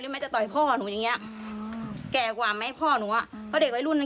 หรือไม่จะต่อยพ่อหนูอย่างเงี้ยแก่กว่าไหมพ่อหนูอ่ะก็เด็กไว้รุ่นนั้น